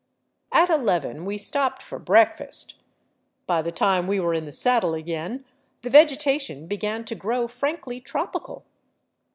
At eleven we stopped for " breakfast." By the time we were in the saddle again the vegetation began to grow frankly tropical.